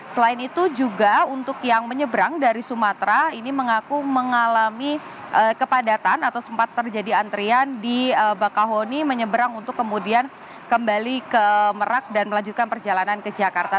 selain itu juga untuk yang menyeberang dari sumatera ini mengaku mengalami kepadatan atau sempat terjadi antrian di bakahoni menyeberang untuk kemudian kembali ke merak dan melanjutkan perjalanan ke jakarta